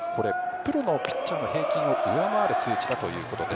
プロのピッチャーの平均を上回る数値だということで